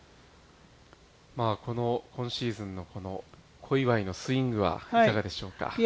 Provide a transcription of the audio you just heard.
今シーズンのこの小祝のスイングはいかがでしょうか。